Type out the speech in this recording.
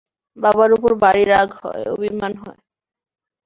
বাবার উপর ভারি রাগ হয়, অভিমান হয়।